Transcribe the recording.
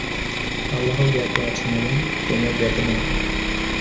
আল্লাহ জ্ঞাত আছেন এবং তোমরা জ্ঞাত নও।